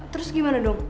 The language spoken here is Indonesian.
terus gimana dong